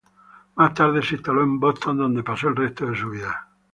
Más tarde se instaló en Boston, donde pasó el resto de su vida.